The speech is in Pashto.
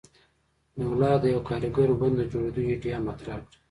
لولا د یوه کارګر ګوند د جوړېدو ایډیا مطرح کړه.